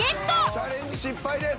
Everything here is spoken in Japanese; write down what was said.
チャレンジ失敗です。